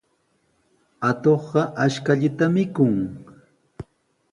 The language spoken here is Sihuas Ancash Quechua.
Atuqqa ashkallata mikun.